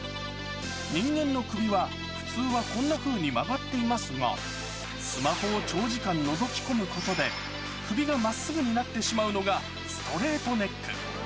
人間の首は、普通はこんなふうに曲がっていますが、スマホを長時間のぞき込むことで、首がまっすぐになってしまうのがストレートネック。